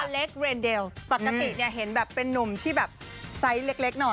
เล็กเรนเดลปกติเนี่ยเห็นแบบเป็นนุ่มที่แบบไซส์เล็กหน่อย